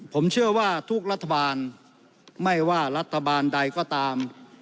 ผมเชื่อว่าทุกรัฐบาลไม่ว่ารัฐบาลใดก็ตาม